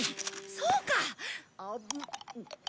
そうか！